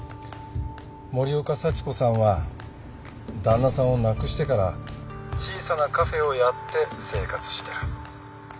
森岡幸子さんは旦那さんを亡くしてから小さなカフェをやって生活してる。